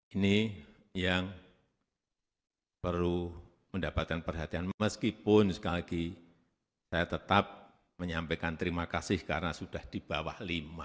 ini yang perlu mendapatkan perhatian meskipun sekali lagi saya tetap menyampaikan terima kasih karena sudah di bawah lima